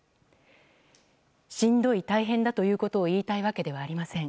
しんどい、大変だということを言いたいわけではありません。